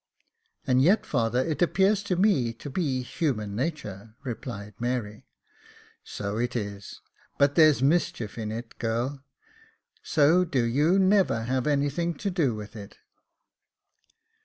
" And yet, father, it appears to me to be human nature," replied Mary. "So it is, but there's mischief in it, girl, so do you never have anything to do with it."